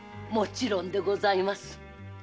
もちろんでございます。